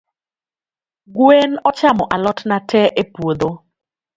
Gwen ochamo alotna tee epuodho.